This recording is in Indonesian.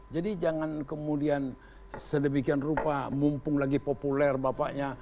jadi jangan kemudian sedemikian rupa mumpung lagi populer bapaknya